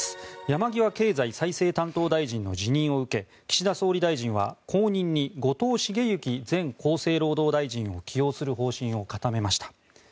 山際経済再生担当大臣の辞任を受け岸田総理大臣は後任に後藤茂之前厚生労働大臣を起用する方針を固めました。